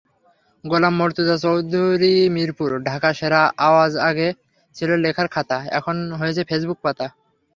গোলাম মর্ত্তুজা চৌধুরীমিরপুর ঢাকাসেরা আওয়াজআগে ছিল লেখার খাতা, এখন হয়েছে ফেসবুক পাতা।